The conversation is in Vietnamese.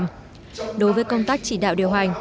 và đồng ý với các ngân sách nhà nước năm hai nghìn một mươi sáu